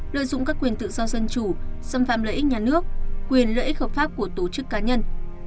lợi dụng các quyền tự do dân chủ xâm phạm lợi ích nhà nước quyền lợi ích hợp pháp của tổ chức cá nhân